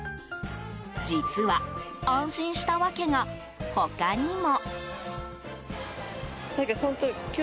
実は、安心した訳が他にも。